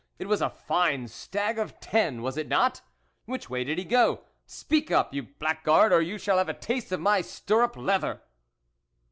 It was a fine stag of ten, was it not ? Which way did he go ? Speak up, you blackguard, or you shall have a taste of my stirrup leather